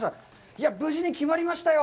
いやぁ、無事に決まりましたよ。